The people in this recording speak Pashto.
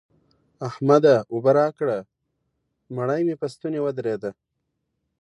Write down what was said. احمده! اوبه راکړه؛ مړۍ مې په ستونې ودرېده.